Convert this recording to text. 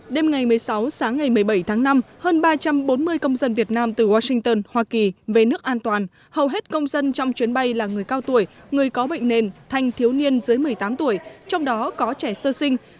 đêm ngày một mươi sáu sáng ngày một mươi bảy tháng năm hơn ba trăm bốn mươi công dân việt nam từ washington hoa kỳ về nước an toàn hầu hết công dân trong chuyến bay là người cao tuổi người có bệnh nền thanh thiếu niên dưới một mươi tám tuổi trong đó có trẻ sơ sinh